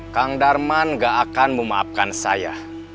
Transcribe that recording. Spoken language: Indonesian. kang darman gak akan memaafkan saya